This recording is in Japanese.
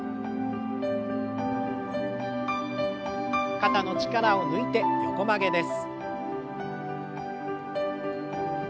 肩の力を抜いて横曲げです。